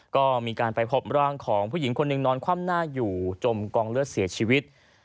ก็มีการไปพบร่างของผู้หญิงคนหนึ่งนอนคว่ำหน้าอยู่จมกองเลือดเสียชีวิต